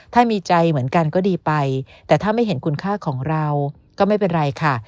ถ้ามีใจเหมือนกันก็ดีไปแต่ถ้าไม่เห็นคุณค่าของเราก็ไม่เป็นไรค่ะ